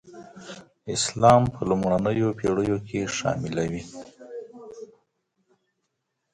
د اسلام په لومړنیو پېړیو کې شاملي وې.